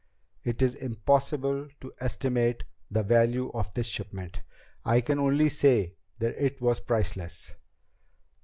It is impossible to estimate the value of this shipment. I can only say that it was priceless."